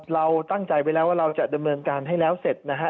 เราตั้งใจไว้แล้วว่าเราจะดำเนินการให้แล้วเสร็จนะฮะ